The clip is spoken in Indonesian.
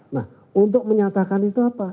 nah untuk menyatakan itu apa